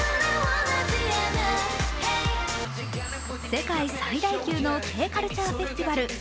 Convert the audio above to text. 世界最大級のＫカルチャーフェスティバル